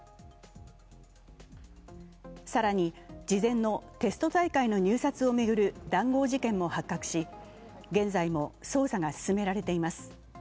更に事前のテスト大会の入札を巡る談合事件も発覚し現在も捜査が進められています。